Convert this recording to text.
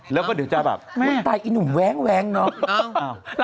แล้วก็เดี๋ยวจะแบบแม่ตายนุ่มแว้งเนอะ